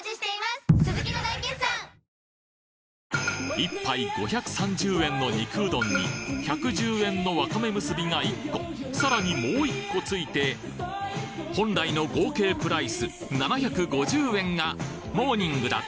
一杯５３０円の肉うどんに１１０円のわかめむすびが１個さらにもう１個ついて本来の合計プライス７５０円がモーニングだとななんと！